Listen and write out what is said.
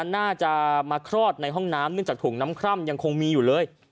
น่าจะมาคลอดในห้องน้ำเนื่องจากถุงน้ำคร่ำยังคงมีอยู่เลย